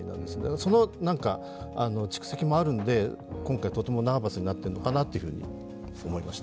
その蓄積もあるので今回とてもナーバスになっているのかなと思いました。